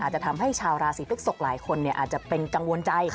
จะทำให้ชาวราศีพฤกษกหลายคนอาจจะเป็นกังวลใจ